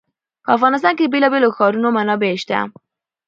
په افغانستان کې د بېلابېلو ښارونو منابع شته.